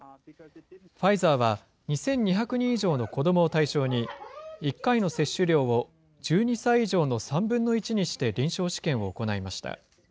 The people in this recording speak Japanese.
ファイザーは２２００人以上の子どもを対象に、１回の接種量を１２歳以上の３分の１にして臨床試験を行いました。